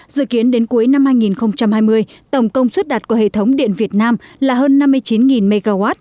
dự kiến đến cuối năm hai nghìn hai mươi tổng công suất đặt của hệ thống điện việt nam là hơn năm mươi chín mw